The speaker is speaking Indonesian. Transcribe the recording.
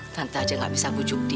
tante aja gak bisa pujuk dia